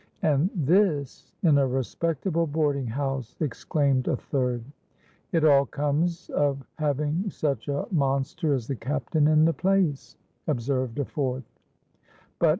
—'And this in a respectable boarding house!' exclaimed a third.—'It all comes of having such a monster as the Captain in the place!' observed a fourth.